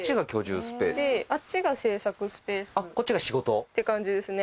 こっちが仕事？って感じですね